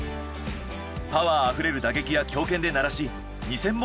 パワー溢れる打撃や強肩でならし２，０００